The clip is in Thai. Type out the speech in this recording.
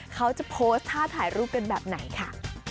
เขาจะโพสต์ท่าถ่ายรูปกันแบบไหนค่ะ